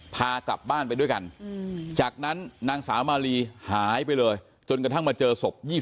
พากลับบ้านไปด้วยกันจากนั้นนางสาวมาลีหายไปเลยจนกระทั่งมาเจอศพ